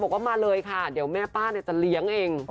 บอกว่ามาเลยค่ะเดี๋ยวแม่ป้าจะเลี้ยงเอง